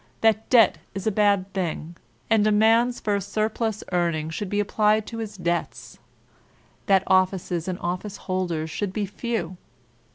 that debt is a bad thing, and a man's first sur plus earnings should be applied to his debts; that offices and office holders should be few.